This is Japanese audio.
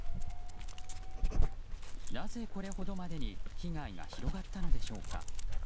なぜこれほどまでに被害が広がったのでしょうか。